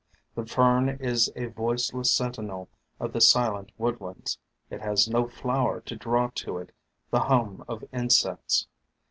The Fern is a voiceless sentinel of the silent woodlands; it has no flower to draw to it the hum of insects.